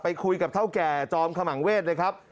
คุยกับเท่าแก่จอมขมังเวศเลยครับ